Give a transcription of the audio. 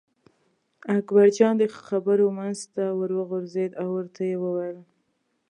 اکبرجان د خبرو منځ ته ور وغورځېد او ورته یې وویل.